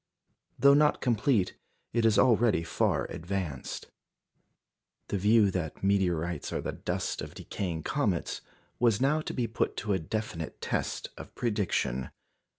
Though not complete, it is already far advanced. The view that meteorites are the dust of decaying comets was now to be put to a definite test of prediction.